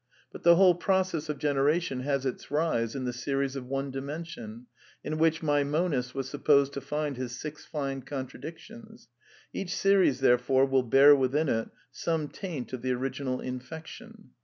But the whole process of generation has its rise in the series of one dimension, in which my monist was supposed to find his six fine contradictions ; each series therefore will bear within it some taint of the original in fection.